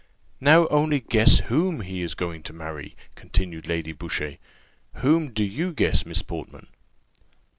"Now only guess whom he is going to marry," continued Lady Boucher: "whom do you guess, Miss Portman?"